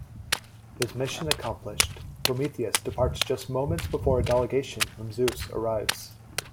His mission accomplished, Prometheus departs just moments before a delegation from Zeus arrives.